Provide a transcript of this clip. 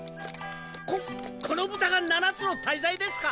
ここの豚が七つの大罪ですか